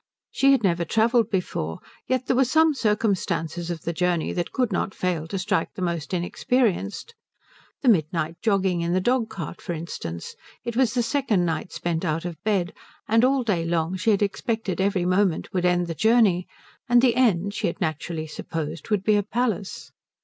She had never travelled before, yet there were some circumstances of the journey that could not fail to strike the most inexperienced. This midnight jogging in the dog cart, for instance. It was the second night spent out of bed, and all day long she had expected every moment would end the journey, and the end, she had naturally supposed, would be a palace.